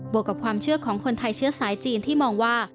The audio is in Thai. วกกับความเชื่อของคนไทยเชื้อสายจีนที่มองว่า